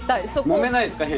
もめないですか？